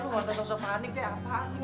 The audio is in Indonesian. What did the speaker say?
udah lu ngasih tau sopan nih kayak apaan sih